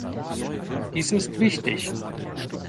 Dies ist wichtig.